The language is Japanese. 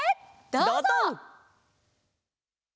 どうぞ！